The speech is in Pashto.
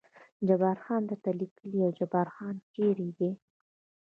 جبار خان درته لیکلي و، جبار خان چېرې دی؟